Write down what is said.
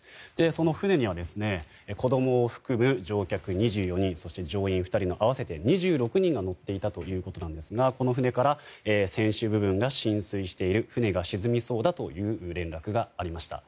その船には、子供を含む乗客２４人、乗員２人の合わせて２６人が乗っていたということなんですがこの船から船首部分が浸水している船が沈みそうだという連絡がありました。